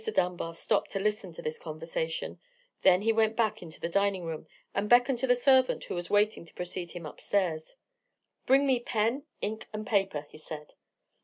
Dunbar stopped to listen to this conversation; then he went back into the dining room, and beckoned to the servant who was waiting to precede him up stairs. "Bring me pen, ink, and paper," he said.